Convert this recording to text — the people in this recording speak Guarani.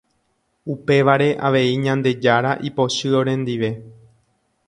Upévare avei Ñandejára ipochy orendive.